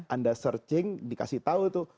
anda searching dikasih tahu tuh